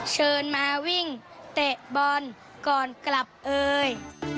เชิญมาวิ่งเตะบอลก่อนกลับเอ่ย